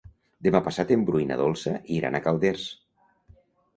Demà passat en Bru i na Dolça iran a Calders.